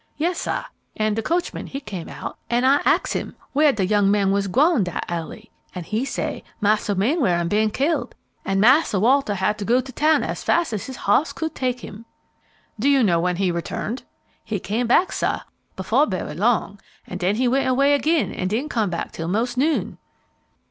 "Yes, sah; an' de coachman he came out an' I ax 'im whar de young man was gwine dat ahly, an' he say mars'r Mainwaring ben killed, an' mars'r Walter had to go to town as fas' as his hoss cud take 'im." "Do you know when he returned?" "He came back, sah, befo' berry long, an' den he went away agin and didn't come back till mos' noon."